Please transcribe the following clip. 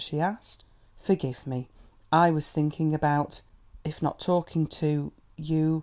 she asked. "Forgive me. I was thinking about, if not talking to, you....